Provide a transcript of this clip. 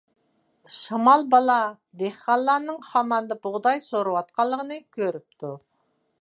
شامال بالا دېھقانلارنىڭ خاماندا بۇغداي سورۇۋاتقانلىقىنى كۆرۈپتۇ.